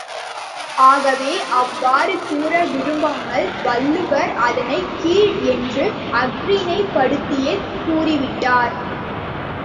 ஆகவே, அவ்வாறு கூற விரும்பாமல், வள்ளுவர் அதனைக் கீழ் என்று அஃறிணைப் படுத்தியே கூறிவிட்டார்.